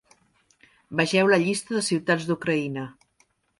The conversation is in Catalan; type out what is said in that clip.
Vegeu la llista de ciutats d'Ucraïna.